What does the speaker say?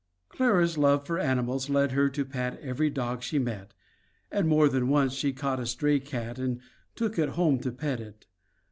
Clara's love for animals led her to pat every dog she met, and more than once she caught a stray cat and took it home to pet it.